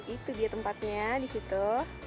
itu dia tempatnya di situ